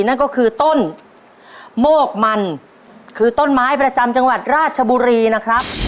นั่นก็คือต้นโมกมันคือต้นไม้ประจำจังหวัดราชบุรีนะครับ